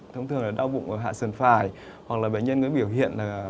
thông thường là đau bụng ở hạ sần phải hoặc là bệnh nhân có biểu hiện là